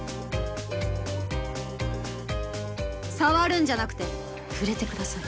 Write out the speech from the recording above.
触るんじゃなくて触れてください